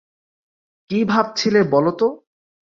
কী ভাবছিলে বলো তো?